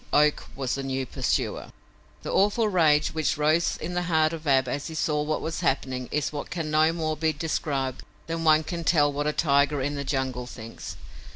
Oak was the new pursuer! The awful rage which rose in the heart of Ab as he saw what was happening is what can no more be described than one can tell what a tiger in the jungle thinks.